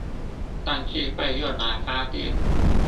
但是被用來發電